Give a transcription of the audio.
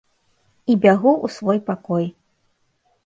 І бягу ў свой пакой.